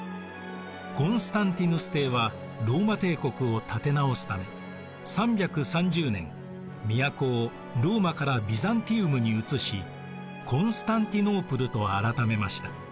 コンスタンティヌス帝はローマ帝国を立て直すため３３０年都をローマからビザンティウムに移しコンスタンティノープルと改めました。